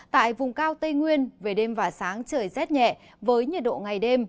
tại vùng cao tây nguyên về đêm và sáng trời rét nhẹ với nhiệt độ ngày đêm